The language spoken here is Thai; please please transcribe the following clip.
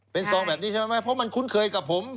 เป็นซองแบบนี้ใช่ไหมเพราะมันคุ้นเคยกับผม